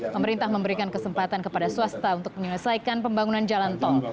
pemerintah memberikan kesempatan kepada swasta untuk menyelesaikan pembangunan jalan tol